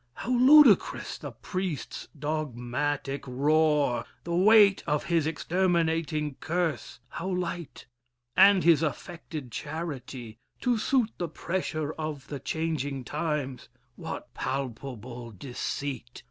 How ludicrous the priest's dogmatic roar! The weight of his exterminating curse, How light! and his affected charity, To suit the pressure of the changing times, What palpable deceit!